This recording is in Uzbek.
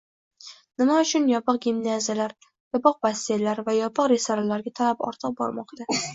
Nima uchun yopiq gimnaziyalar, yopiq basseynlar va yopiq restoranlarga talab ortib bormoqda?